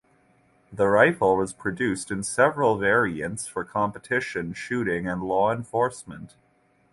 The rifle was produced in several variants for competition shooting and law enforcement.